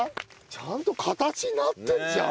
ちゃんと形になってるじゃん！